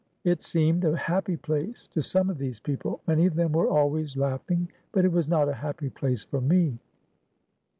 It seemed a happy place to some of these people; many of them were always laughing; but it was not a happy place for me.